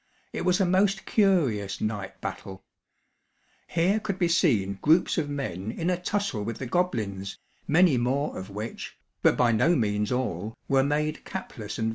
It was a most curious night battle. Here could be seen groups of men in a tussle with the goblins, many more of which, but by no means all, were made capless and visible.